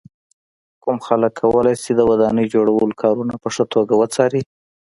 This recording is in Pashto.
کوم خلک کولای شي د ودانۍ جوړولو کارونه په ښه توګه وڅاري.